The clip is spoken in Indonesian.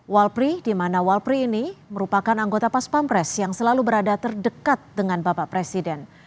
walpri di mana walpri ini merupakan anggota pas pampres yang selalu berada terdekat dengan bapak presiden